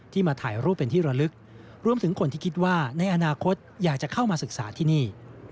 มาถ่ายรูปเป็นที่ระลึกรวมถึงคนที่คิดว่าในอนาคตอยากจะเข้ามาศึกษาที่นี่